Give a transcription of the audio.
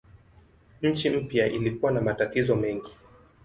Nchi mpya ilikuwa na matatizo mengi.